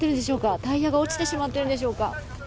タイヤが落ちてしまっているんでしょうか。